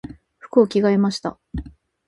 服を着替えました。